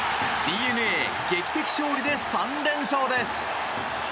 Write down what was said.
ＤｅＮＡ劇的勝利で３連勝です。